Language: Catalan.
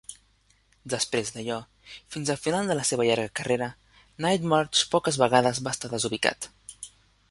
Després d'allò, fins al final de la seva llarga carrera, Nightmarch poques vegades va estar desubicat.